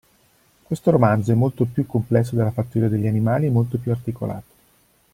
Questo romanzo è molto più complesso della Fattoria degli animali e molto più articolato.